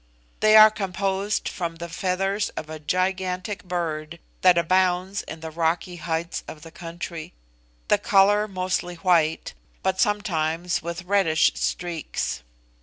They are composed from the feathers of a gigantic bird that abounds in the rocky heights of the country the colour mostly white, but sometimes with reddish streaks.